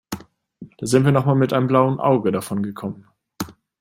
Da sind wir noch mal mit einem blauen Auge davongekommen.